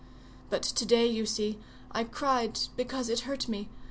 But to day, you see, I cried because it hurt me.